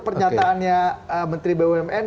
pernyataannya menteri bumn